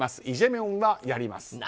イ・ジェミョンはやります。